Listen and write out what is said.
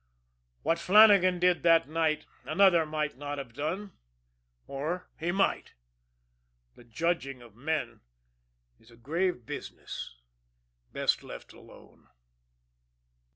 What Flannagan did that night another might not have done or he might. The judging of men is a grave business best let alone.